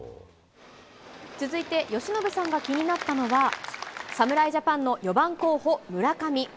続いて、由伸さんが気になったのは、侍ジャパンの４番候補、村上。